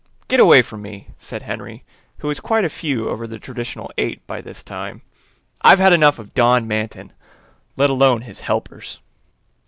"Get away from me!" said Henry, who was quite a few over the traditional eight by this time. "I've had enough of Don Manton, let alone his helpers."